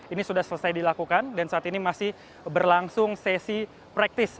ini sudah selesai dilakukan dan saat ini masih berlangsung sesi praktis